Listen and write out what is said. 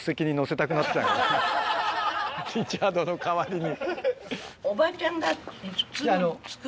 リチャードの代わりに。